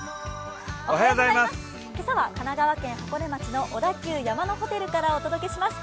今朝は神奈川県箱根町の小田急山のホテルからお届けします。